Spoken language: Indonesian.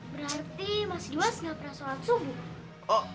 berarti mas dwas nggak pernah sholat subuh